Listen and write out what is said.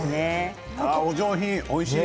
お上品、おいしい。